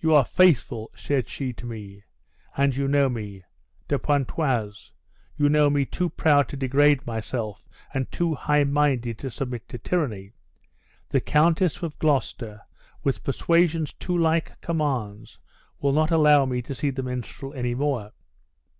'You are faithful,' said she to me, 'and you know me. De Pontoise; you know me too proud to degrade myself, and too highminded to submit to tyranny. The Countess of Gloucester, with persuasions too like commands, will not allow me to see the minstrel any more.'